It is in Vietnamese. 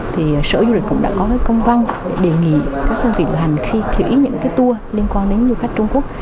thì sở du lịch cũng đã có cái công văn để đề nghị các công việc hành khi kỷ những cái tour liên quan đến du khách trung quốc